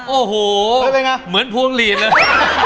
โอ้โหเหมือนพวงหลีนเลย